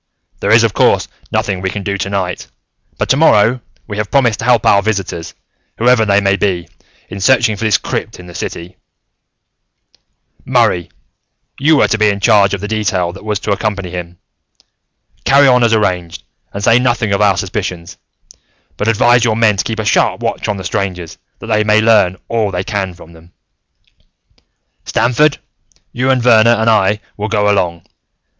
There is, of course, nothing we can do tonight. But, tomorrow, we have promised to help our visitors, whoever they may be, in searching for this crypt in the city. "Murray, you were to be in charge of the detail that was to accompany them. Carry on as arranged, and say nothing of our suspicions, but advise your men to keep a sharp watch on the strangers, that they may learn all they can from them. "Stamford, you and Verner and I will go along.